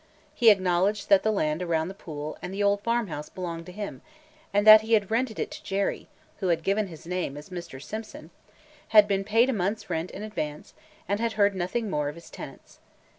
He acknowledged that the land around the pool and the old farm house belonged to him, that he had rented it to Jerry (who had given his name as "Mr. Simpson"), had been paid a month's rent in advance, and had heard nothing more of his tenants.